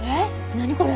何これ？